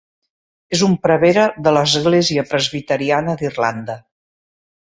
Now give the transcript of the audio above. És un prevere de l'Església Presbiteriana d'Irlanda.